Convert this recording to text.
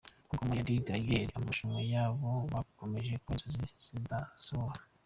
Ku ngoma ya De Gaulle amarushanwa y’abana yakomeje kuba inzozi zidasohora.